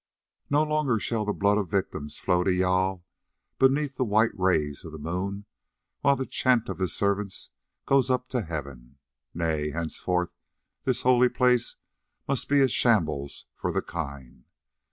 No longer shall the blood of victims flow to Jâl beneath the white rays of the moon while the chant of his servants goes up to heaven. Nay, henceforth this holy place must be a shambles for the kine.